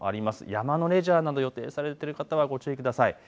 山のレジャーなど予定されている方はご注意ください。